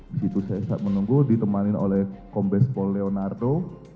di situ saya menunggu ditemani oleh kombes pol leonardo